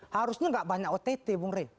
harusnya nggak banyak ott bung rey